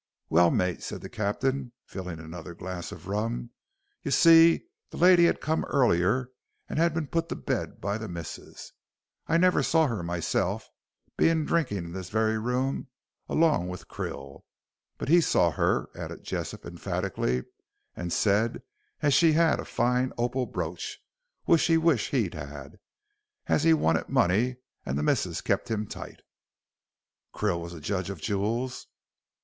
"Well, mate," said the captain, filling another glass of rum, "y'see the lady had come earlier and had been put to bed by the missus. I never saw her myself, being drinking in this very room along o' Krill. But he saw her," added Jessop, emphatically, "and said as she'd a fine opal brooch, which he wish he'd had, as he wanted money and the missus kept him tight." "Krill was a judge of jewels?"